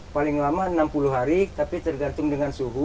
paling lama enam puluh hari tapi tergantung dengan suhu